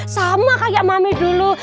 sama kayak mami dulu